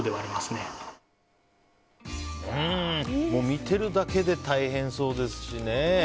見てるだけで大変そうですしね。